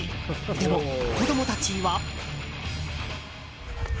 でも、子供たちは。